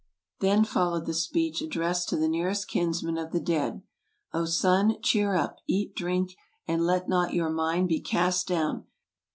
Then followed the speech addressed to the nearest kinsman of the dead: " O son, cheer up; eat, drink, and let not your mind be cast down.